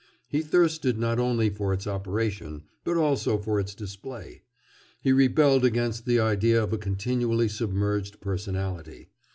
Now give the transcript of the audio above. He thirsted not only for its operation, but also for its display. He rebelled against the idea of a continually submerged personality.